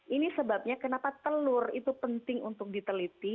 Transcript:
ini sebabnya kenapa telur itu penting untuk diteliti